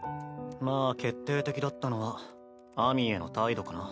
まあ決定的だったのは秋水への態度かな。